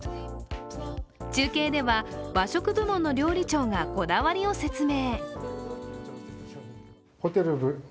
中継では和食部門の料理長がこだわりを説明。